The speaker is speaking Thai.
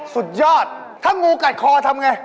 สุดยอดถ้างูกัดคอทำไง